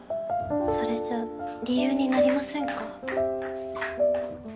それじゃ理由になりませんか？